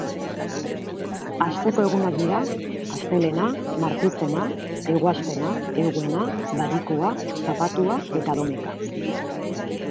Asteko egunak dira: astelehena, martitzena, eguaztena, eguena, barikua, zapatua eta domeka.